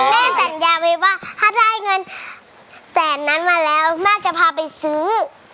แม่สัญญาไว้ว่าถ้าได้เงินแสนนั้นมาแล้วแม่จะพาไปซื้อ